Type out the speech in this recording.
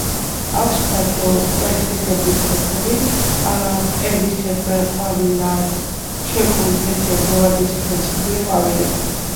აქვს ფართო კვერცხისებრი ფოთლები, მტევნისებრ ყვავილედად შეკრებილი თეთრი ან მოვარდისფრო წვრილი ყვავილები.